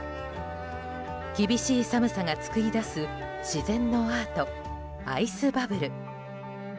厳しい寒さが作り出す自然のアート、アイスバブル。